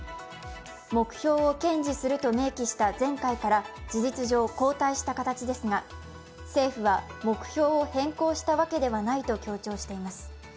目標を堅持すると明記した前回から事実上、後退した形ですが政府は目標を変更したわけではないと強調しています。